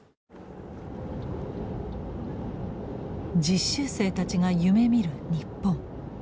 実習生たちが夢みる日本。